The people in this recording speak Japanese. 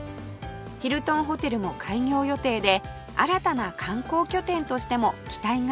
ヒルトンホテルも開業予定で新たな観光拠点としても期待が高まっています